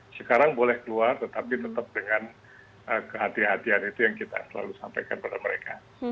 sekarang boleh keluar tetapi tetap dengan kehatian kehatian itu yang kita selalu sampaikan pada mereka